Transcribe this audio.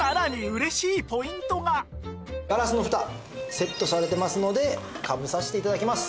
ガラスのフタセットされてますのでかぶさせて頂きます。